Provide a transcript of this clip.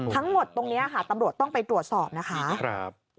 ทั้งหมดตรงนี้ค่ะตำรวจต้องไปตรวจสอบนะคะ